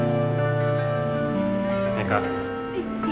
jadi kopa ini pengen saya kerjain